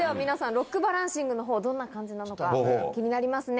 ロックバランシングのほうどんな感じなのか気になりますね。